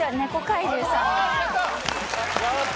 やった！